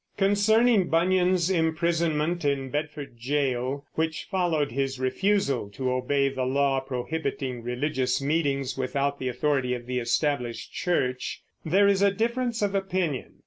Concerning Bunyan's imprisonment in Bedford jail, which followed his refusal to obey the law prohibiting religious meetings without the authority of the Established Church, there is a difference of opinion.